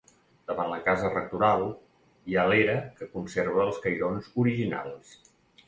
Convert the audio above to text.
Davant la casa rectoral hi ha l'era que conserva els cairons originals.